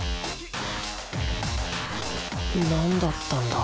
なんだったんだ？